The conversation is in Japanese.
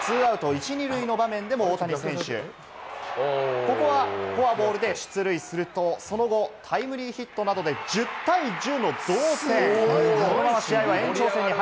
９回裏、２アウト１塁２塁の場面でも大谷選手、ここはフォアボールで出塁すると、その後タイムリーヒットなどで１０対１０の同点。